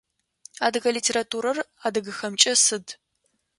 Адыгэ литературэр адыгэхэмкӏэ сыд?